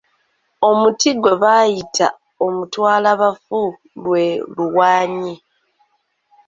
Omuti gwe bayita omutwalabafu lwe luwaanyi.